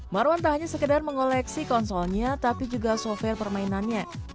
marwan tak hanya sekedar mengoleksi konsolnya tapi juga software permainannya